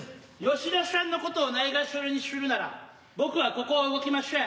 吉田しゃんのことをないがしろにしゅるなら僕はここを動きましぇん。